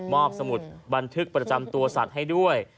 สมุดบันทึกประจำตัวสัตว์ให้ด้วย